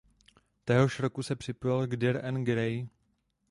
Téhož roku se připojil k Dir en grey.